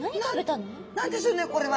何でしょうねこれは。